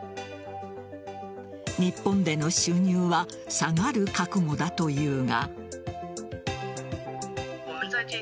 日本での収入は下がる覚悟だというが。